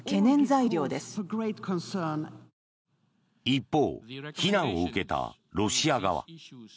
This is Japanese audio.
一方、非難を受けたロシア側。